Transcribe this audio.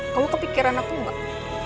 kamu kepikiran aku mbak